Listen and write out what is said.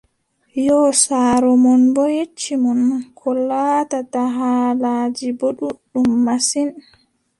Yoo saaro mon boo yecci mon koo laatata, haalaaji boo ɗuuɗɗum masin.